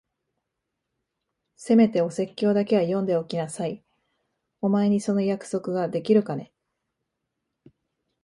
せめてお説教だけは読んでおきなさい。お前にその約束ができるかね？